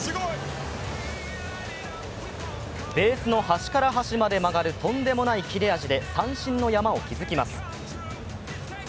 ベースの端から端まで曲がるとんでもない切れ味で三振の山を築きます。